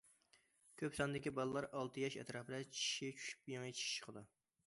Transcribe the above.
كۆپ ساندىكى بالىلاردا ئالتە ياش ئەتراپىدا چىشى چۈشۈپ يېڭى چىش چىقىدۇ.